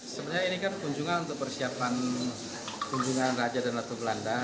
sebenarnya ini kan kunjungan untuk persiapan kunjungan raja dan ratu belanda